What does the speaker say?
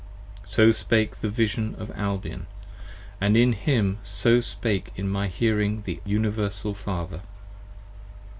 5 So spake the Vision of Albion, & in him so spake in my hearing The Universal Father.